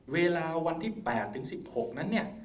เวลาวันที่๘ถึง๑๖นั้นเนี่ย